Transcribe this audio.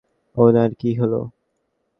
ওনার কী হলো?